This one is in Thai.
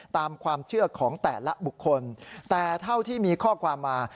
ตามความเชื่อของแต่ละบุคคลแต่เท่าที่มีข้อความมา